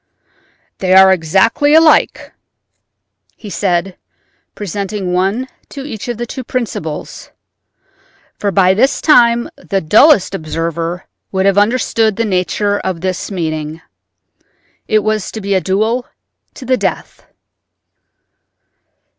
"They are exactly alike," he said, presenting one to each of the two principals—for by this time the dullest observer would have understood the nature of this meeting. It was to be a duel to the death.